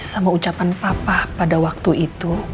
sama ucapan papa pada waktu itu